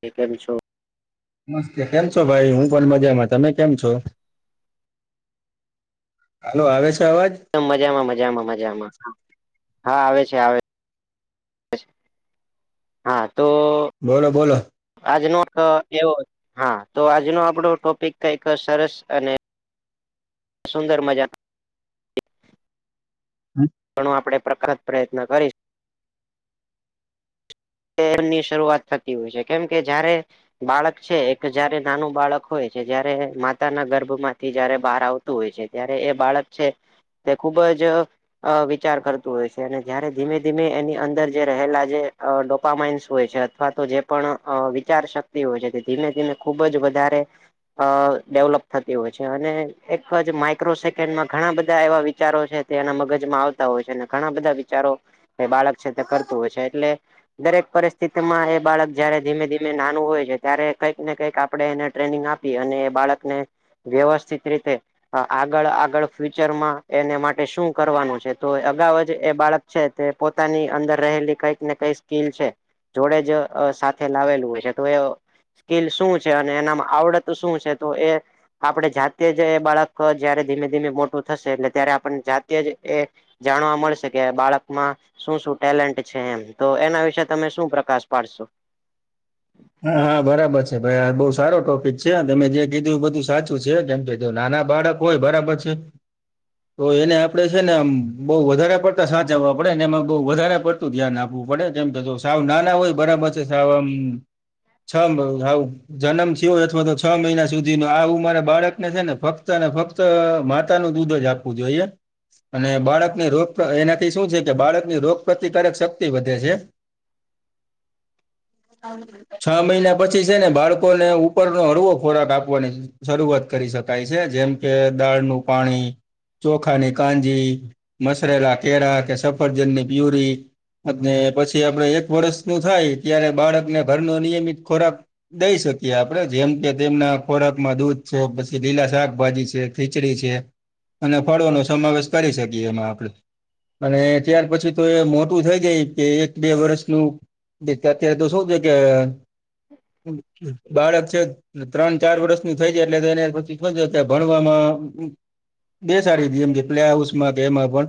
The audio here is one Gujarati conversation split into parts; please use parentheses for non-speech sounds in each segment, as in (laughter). કે કેમ છો? નમસ્તે કેમ છો ભાઈ? હું પણ મજામાં. તમે કેમ છો? હાલો, આવે છે અવાજ? એકદમ મજામાં મજામાં મજામાં, હા હા આવે છે આવે છે હા તો બોલો બોલો. આજનો એક એવો હા તો આજનો આપડો ટોપિક કઈક સરસ અને સુંદર મજા (unintelligible) ઘણું આપડણે પ્રખ્યત પ્રયત્ન કરીશ એની શરૂઆત થતી હોય છે કેમ કે જયારે બાળક છે એક જયારે નાનું બાળક હોય છે જયારે માતા ના ગર્ભ માંથી જયારે બહાર આવ હોય છે ત્યારે એ બાળક છે તે ખૂબ જ અ વિચાર કરતું હોય છે અને જયારે ધીમે ધીમે એની અંદર જે રહેલા જે અ પામાઇન્સ હોય છે અથવા તો જે પણ અ વિચાર શક્તિ હોય છે તે ધીમે ધીમે ખુબ જ વધારે અ ડેવલપ થતી હોય છે અને એક જ માઈક્રો સેકન્ડમાં ઘણા બધા એવા વિચારો છે તે એના મગજમાં આવતા હોય છે અને ઘણા બધા વિચારો એ બાળક છે તે કરતું હોય છે એટલે દરેક પરિસ્થિતિ માં એ બાળક જ્યારે ધીમે ધીમે નાનું હોય છે ત્યારે કંઈક ને કંઈક આપણે એને ટ્રેનિંગ આપીએ અને એ બાળકને વ્યવસ્થિત રીતે અ આગળ આગળ ફ્યુચરમાં એને માટે શું કરવાનું છે તો અગાઉ જ એ બાળક છે તે પોતાની અંદર રહેલી કઈક ને કઈક. લ છે જોડે જ સાથે લાવેલું હોય છે તો એ કીલ શું છે અને એનામાં આવડત શું છે તો એ આપણે જાતે જ એ બાળક જયારે ધીમે ધીમે મોટું થશે એટલે ત્યારે આપને જાતે જ એ જાણવા મળશે કે બાળકમાં શું શું ટેલેન્ટ છે એમ તો એના વિશે તમે શું પ્રકાશ પાડશો? હા હા બરાબર છે ભાઈ આ બહુ સારો ટોપિક છે તમે જે કીધું એ બધું સાચું છે કેમ કધું નાના બાળક હોય બરાબર છે. (inaudible) તો એને આપડે છે નેમ બહુ વધારે પડતા સાચ આવવા પડેને એમાં બહુ વધારે પડતા ધ્યાન આપવું પડે કેમ કે સાવ નાના હોય બરાબર છે સાવ આમ છ બું હઉ. જન્મ થયો અથવા તો છ મહિના સુધીનો આવું મારા બાળકને છે ને ફક્ત અને ફક્ત તો માતા નું દૂધ જ આપવું જોઈએ. અને બાળકની રોગ એનાથી શું છે કે બાળકની રોગ પ્રતિકારક શક્તિ વધે છે. (inaudible) (unintelligible) છ મહિના પછી છે ને બાળકોને ઉપરનો હળવો ખોરાક આપવાની છે. શરૂઆત કરી શકાય છે જેમ કે દાળનું પાણી. ચોખાની કાંજી મસરેલા કેળા કે સફરજનની પ્યુરી. અને પછી આપડ એક વર્ષ નું થાય ત્યારે બાળકને ઘરનો નિયમિત ખોરાક. દઈ શકીએ આપડે જેમ કે તેમના ખોરાકમાં દૂધ છે પછી લીલા શાકભાજી છે ખીચડી છે અને ફળોનો સમાવેશ કરી શકીએ એમાં આપણેે. અને ત્યાર પછી તો એ મોટું થઈ ગય કે એક બે વર્ષનું અત્યારે તો શું છે કે બાળક છે. ત્રણ ચાર વર્ષ નું થઈ જાય એટલે એને પછી (unintelligible) ભણવામાં. બે સારી એમ કે પ્લે હાઉસમાં કે એમાં પણ.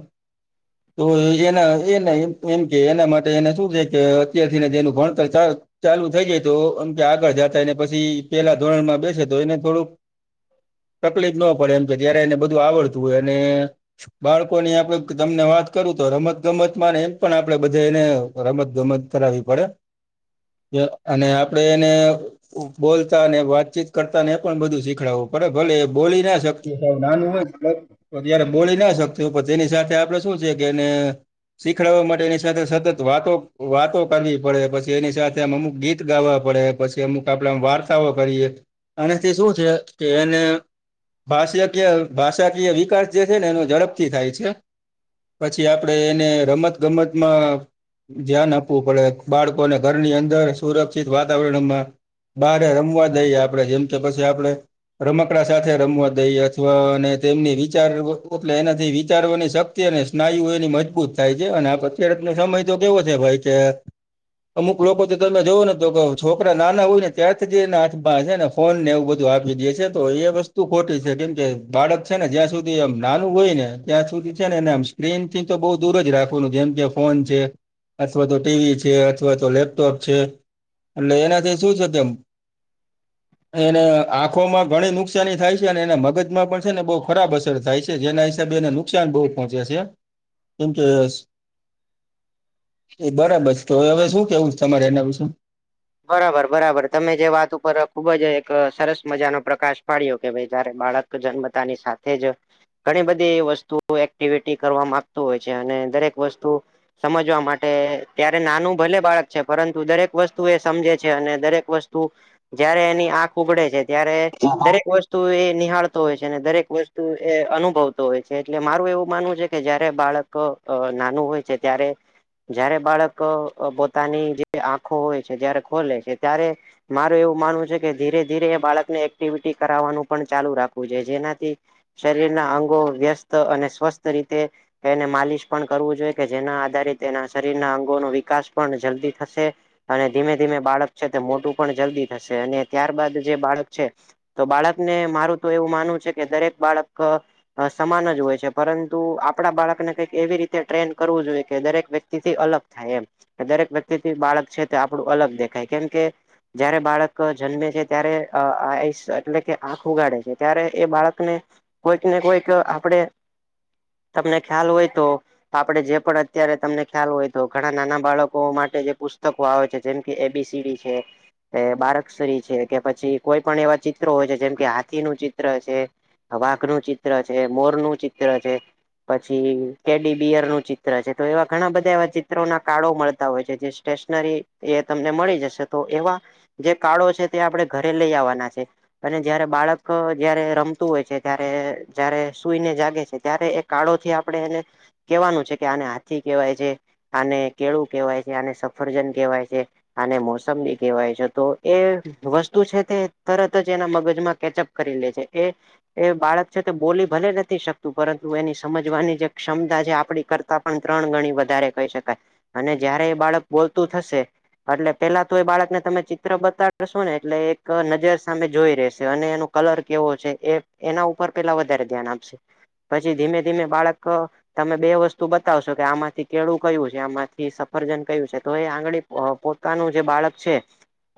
તો એના એને એમ કે એના માટે એને શું છે કે અત્યારથીને જેનું ભણતર ચાલ ચાલુ થઈ જાય તોમ કે આગળ જતાને પછી પેલા ધોરણ માં બેસે તો એને થોડુંક તકલીફ ન પડે એમ કે ત્યારે એને બધું આવડતું હોય અને બાળકોની આપડે તમને વાત કરું તો રમત ગમત એમ પણ આપડે બધા એને રમત ગમત કરાવવી પડે. અને આપડે એને. બોલતા ને વાતચીત કરતા ને એ પણ બધું શીખડવું બરા ભલે બોલી ના શકે સા નાનું હોય તયારે બોલી ના શકત પણ તેની સાથે આપડે શું છે એને શીખડવા માટે એની સાથે સતત વાતો વાતો કરવી પડે પછી એની સાથ તેમ અમુક ગીત ગાવા પડે પછી અમુક આપણેે વાર્તાઓ કરીએ. અને તે શું છે કે એને ભાષાકીય ભાષાકીય વિકાસ જે છે ને એનો ઝડપથી થાય છે. પછી આપડણે એને રમત ગમતમાં. ધ્યાન આપવું પડે બાળકોને ઘરની અંદર સુરક્ષિત વાતાવરણમાં બારે રમવા દઈએ આપડે જેમ કે પછી આપડે રમકડા સાથે રમવા દઈ અથવા અને તેમની વિચાર એલે એનાથી વિચારવાની શક્તિ અત્ય અને સ્નાયુ એની મજબૂત થાય છે અને આ અત્યારકો સમય તો કેવો છે ભાઈ કે અમુક લોકો. તમે જોવો ને તો છોકરા નાના હોય ને ત્યારથી એ નાથ છે ને ફોન ને એવું બધું આપી દે છે તો એ વસ્તુ તુ ખોટી છે કેમ કે બાળક છે ને જ્યાં સુધી આમ નાનું હોય ને ત્યાં સુધી છે ને એને આમ સ્ક્રીન થી તો બહુ દૂર જ રાખવાનું જેમ કે ફોન છે અથવા તો ટીવી છે અથવા તો લેપ જ છે એટલે એનાથી શું છે તેમ (inaudible) એને આંખોમાં ઘણી નુકસાની થાય છે અને એના મગજમાં પણ છે ને બહ ખરાબ અસર થાય છે જેના હિસાબે એને નુકસાન બહુ પહોંચ્યા છે કેમ કે એ બરાબર છે તો હવે શું કેવું છે તમારે એના વિશે બરાબર બરાબર તમે જે વાત ઉપર ખુબ જ એક સરસ મજાનો પ્રકાશ પાડ્યો કે ભાઈ જારે બાળક જન્મતાની સાથે જ ઘણી બધી વસ્તુ એક્ટિવિટી કરવા માગતું હોય છે અને દરેક વસ્તુ સમજવા માટે ત્યારે નાનું ભલે બાળક છે પરંતુ દરેક વસ્તુ એ સમજે છે અને દરેક વસ્તુ જયારે એની આંખ ઉગડે છે ત્યારે દરેક વસ્તુ વતુ એ નિહાળતો હોય છે અને દરેક વસ્તુ એ અનુભવતો હોય છે એટલે મારું એવું માનવું છે કે જયારે બાળક નાનું હોય છે ત્યારે જયારે બાળક પોતાની જે આંખો હોય જયારે ખોલે છે ત્યારે માર એવું માનવું છે કે ધીરે ધીરે એ બાળકને એક્ટિવિટી કરાવવાનું પણ ચાલુ રાખવું જોઈ જેનાથી શરીર ના અંગો વ્યસ્ત અને સ્વસ્થ રીતે એને માલિશ પણ કરવું જોઈએ કે જેના આધારે એના શરીરના અંગોનો વિકાસ પણ જલ્દી થશે અને ધીમે ધીમે બાળક છે તે મોટું પણ જલ્દી થશે અને ત્યારબાદ જે બાળક છે તો બાળકને મારું તો એવું માનવું છે કે દરેક બાળક સમાન જ હોય છે પરંતુ આપણા બાળકને કંઈક એવી રીતે ટ્રેન કરવું જોઈએ કે દરેક વ્યક્તિથી અલગ થાય એમ કે દરેક વ્યક્તિથી બાળક છે તે આપણું અલગ દેખાય કેમ કે જયારે બાળક જન્મે છે ત્યારે એટલે કે આંખ ઉગાડે છે ત્યારે એ બાળકને કોઈક ને કોઈક આપડે તમને ખ્યાલ હોય તો તો આપડે જે પણ અત્યારે તમને ખ્યાલ હોય તો ઘણા નાના બાળકો માટે જે પુસ્તકો આવે છે જેમ કે એબીસીડી છે એ બારકસરી છે કે પછી કોઈ પણ એવા ચિત્રો હોય છે જેમ કે હાથી નું ચિત્ર છે વાઘ નું ચિત્ર છે મોર નું ચિત્ર છે પછી કેડી બિયર નું ચિત્ર છે તો એવા ઘણા બધા એવા ચિત્રો ના કાળો મળતા હોય છે જે સ્ટ તમને મળી જશે તો એવા જે કારડો છે તે આપણે ઘરે લઈ આવવાના છે અને જયારે બાળક જયારે રમતું હોય છે ત્યારે જયારે સુઈને જાગે છે ત્યારે કાળો થી આપડે એને કેવાનું છે કે આને હાથી કેહેવાય છે આને કેળું કેહેવાય છે આને સફરજન કહેવાય છે અને મોસમની કહેવાય છે તો એ વસ્તુ છે તે તરત જ એના મગજમાં કેચઅપ કરી લે છે એ એ બાળક છે તે બોલી ભલે નથી શકતું પરંતુ એની સમજવાની જે ક્ષમતા જે આપડી કર પણ ત્રણ ગણી વધારે કહી શકાય અને જયારે એ બાળક બોલતું થશે એટલે પેલા તો એ બાળકને તમે ચિત્ર બતાડશો ને એટલે એક નજર સામે જોઈ રેશે અને એનું કલર કેવો છે એ એના ઉપર પેલા વધારે ધ્યાન આપશે પછી ધીમે ધીમે બાળક તમે બે વસ્તુ બતાવશો કે આમાંથી કેળું કયું છે આમાંથી સફરજન કયું છે તો એ આંગળી પોતાનું જે બાળક છે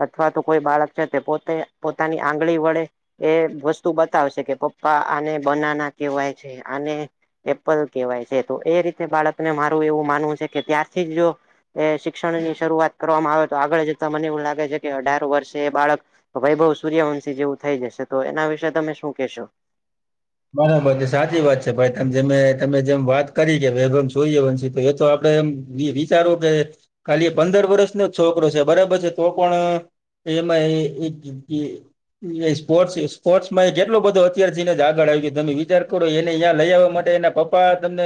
અથવા તો કોઈ બાળક છે તે પોતે પોતાની આંગળી વડે એ વસ્તુ બતાવશે કે પપ્પા આને બનાના કેવાય છે આને એપ્પલ કેહેવાય છે તો એ રીતે બાળકને મારું એવું માનવું છે કે ત્યારથી જો શિક્ષણ ની શરૂઆત કરવામાં આવે તો આગળ જતા મને એવું લાગે છે કે અઢાર વર્ષે એ બાળક તો ભાઈ ભઉ સૂર્યવંશી જેવું થઈ જશે તો એના વિશે તમે શું કેશો. બરોબર સાચી વાત છે ભાઈ જે તમે જેમ વાત કરી કે વૈભમ જોઈએ વંશી તો એ તો આપડે એમ વિ વિચારો કે ખાલી પંદર વરસનો જ છોકરો છે બરાબર છે તો પણ આ એમાં એક એ સ્પોર્ટ સ્પોર્ટ્ માં એ જેટલો બધો અત્યારથી ને જ આગળ આવ તમે વિચાર કરો એને અ્યાં લઈ આવવા માટે એના પપ્પા તમને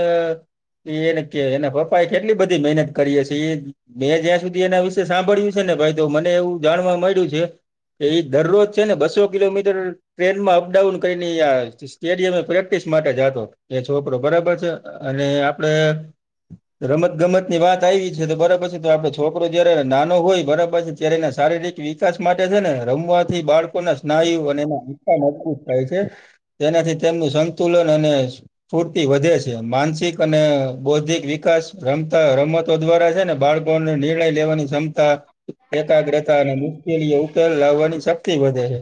એને કે એના પપ્પા એ કેટલી બધી મહેનત કરીએ છે એ મેં જ્યાં સુધી એના વિશે સાંભળ્યું છે ને ભાઈ તો મને એવું જાણવા મળ્યું છે એ દરરોજ છે ને બસો કિલોમીટર ટ્રેનમાં અપડાઉન કરીને એ આવે છે. જે અમે પ્રેક્ટિસ માટે જાતો એ છોકરો બરાબર છે અને આપડે રમત ગમત ની વાત આવી છે તો બરાબર છે તો આપડ છોકરો જયારે નાનો હોય બરાબર પછી ત્યારે એના શારીરિક વિકાસ માટે છે ને રમવાથી બાળકો ના સ્નાયુ અને એના (unintelligible) મજબૂત થાય છે. તેનાથી તેમનું સંતુલન અને ફૂર્તિ વધે છે માનસિક અને બૌદ્ધિક વિકાસ રમતા રમત તો દ્વારા છે ને બાળકોને નિર્ણય લેવાની ક્ષમતા એકાગ્રતા અને મુશ્કેલીઓ ઉકેલ લાવવાની શક્તિ વધે છે.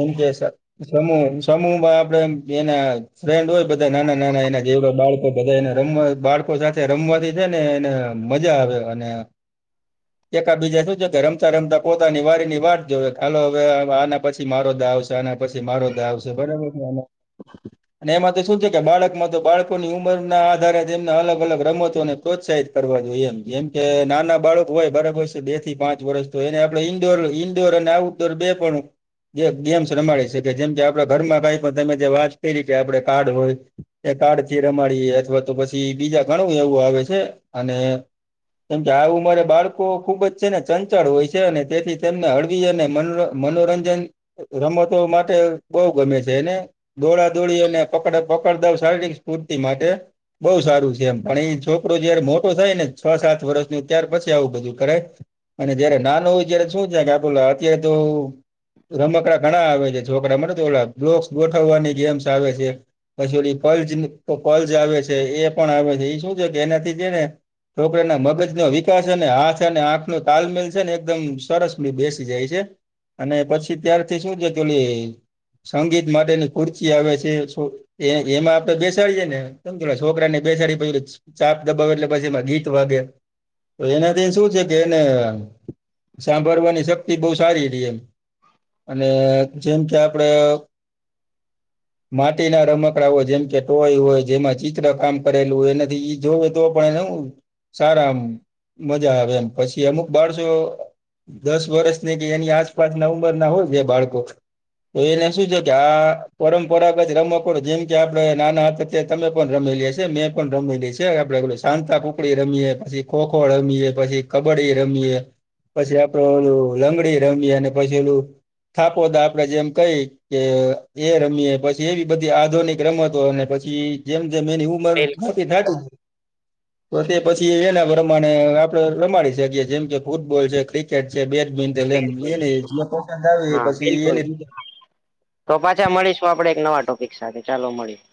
એમ કે સ સમૂહ સમૂહ માં આપડે એમ એના ફ્રેન્ડ હોય બધા નાના નાના એના જેવડો બાળકો બધા એ ને રમવા બાળકો સાથે રમવાથી છે ને એને મજા આવે અને (inaudible) એકા બીજા શું છે કે રમતા રમતા પોતાની વારી ની વાર જોવે ખાલો હવે આના પછી મારો દાવ આવશે આના પછી મારો દાવ આવશે બરાબર ને અને (inaudible) અને એમાં તો શું છે કે બાળકમાં તો બાળકોની ઉંમર ના આધારે તેમને અલગ અલગ રમતોને પ્રોત્સાહિત કરવા જોઈએ એમ જેમ કે નાના બાળક હોય બરાબર છે બે થી પાંચ વર્ષ તો એને આપડ ઈન્ડોર ઇન્ડોર અને આવું તોર બે પાનું ગેમ્સ રમાડે શકે જેમ કે આપડા ઘરમાં કંઈક તમે જે વાત કરી કે આપડે કાર્ડ હોય એ કાર્ડ થી રમાડીએ અથવા તો પછી બીજા ઘણું એવું આવે છે અને કેમ કે આ ઉંમરે બાળકો ખુબ જ છે ને ચંચળ હોય છે અને તેથી તેમને હળવી અને મનો મનોરંજન રમતો માટે બહુ ગમે છે એને. દોડા દોડી અને પકડ પકડ દાવ શારીરિક સ્ફૂર્તિ માટે. બઉુ સારું છે એમ પણ એ છોકરો જયારે મોટો થાય ને છ સાત વર્ષ નું ત્યાર પછી આવું બધું કરાય. અને જયારે નાનું હોય જ્યારે શું થાય કેે આખું (unintelligible) હતું. રમકડા ઘણા આવે છે છોકરા મ તો ઓ બોક્સ ગોઠવવાની ગેમ્સ આવે છે. પછી ઓ પલ્જ પલ્જ આવે છે એ પણ આવે છે એ શું છે કે એનાથી જે ને છોકરાના મગજનો વિકાસ અને હાથ અને આંખ નો તાલમેલ છે ને એકદમ સરસ મી બેસી જાય છે. અને પછી ત્યારથી શું જતું લે સંગીત માટેની કુર્તી આવે છે એ સો એ એમાં આપડે બેસાડીએ ને કેમ છોકરા ને બેસાડી પછી (unintelligible) ચાપ દબાવે એટલે પછી એમાં ગીત વાગે. તો એનાથી શું છે કે એને સાંભળવાની શક્તિ બહું સારી રે એમ. એટલે જેમ કે આપડે માટીના રમકડાઓ જેમ કે ટોય હોય જેમાં ચિત્ર કામ કરેલું હોય એના થી ઈ જોવો તો પણ એને સારા આમ મજા આવે એમ પછી અમુક બાળસો દસ વર્ષ ને કે એની આસપાસ ના ઉંમર ના હોય બાળકો તો એને શું છે. કે આ પરંપરાગત રમકડાં જેમ કે આપડે નાના હતા તે તમે પણ રમેલી હશે મે પણ રમેલી છે આપડે પેલું સાતાપુકડી રમીએે પછી ખોખો રમીએે પછી કબડ્ડી રમીએ. પછી આપડે ઓલું લંગડી રમી અને પછી ઓલું થાપોદા આપડે જેમ કઈ કે એ રમીએ પછી એવી બધી આધુનિક રમતો અને પછી જેમ જેમ એની ઉ ઉમર બિલકુલ મોટી થા તું તો પછી એના પ્રમાણે આપડે રમાડી શકીએ જેમ કે ફૂટબોલ છે્રિક. ટ છે બેડમિન્ટન એમ એ બિલકુલ. જે પસંદ આવે હા પછી બિલકુલ એની રીતે. તો પાછા મળીશું આપડે એક નવા ટોપિક સાથે ચાલો મળીશ.